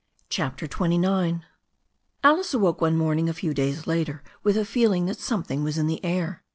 CHAPTER XXIX ALICE awoke one morning a few days later with a feeling that something was in the air.